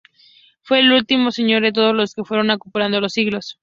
Fue el último señor de todos los que fueron acumulando los siglos.